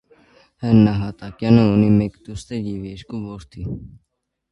Հ. Նահատակյանը ունի մեկ դուստր և երկու որդի։